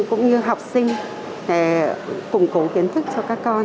cũng như học sinh để củng cố kiến thức cho các con